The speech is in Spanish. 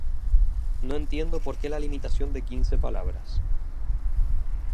no entiendo por qué la limitación de quince palabras